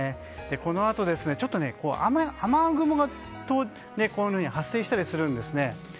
このあと雨雲が発生したりするんですね。